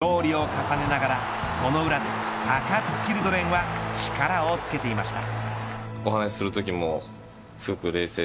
勝利を重ねながらその裏で高津チルドレンは力をつけていました。